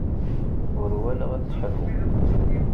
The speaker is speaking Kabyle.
Ur walaɣ ad telḥu.